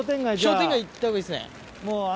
商店街行った方がいいですね。